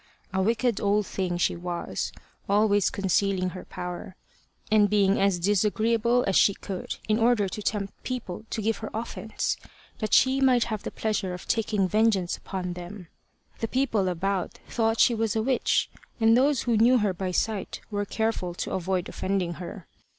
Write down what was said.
A wicked old thing she was, always concealing her power, and being as disagreeable as she could, in order to tempt people to give her offence, that she might have the pleasure of taking vengeance upon them. The people about thought she was a witch, and those who knew her by sight were careful to avoid offending her.